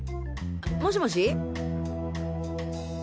もしもし。